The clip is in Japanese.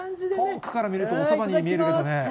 遠くから見ると、おそばに見えるね。